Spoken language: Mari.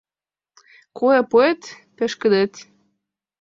Куэ пуэт — пешкыдет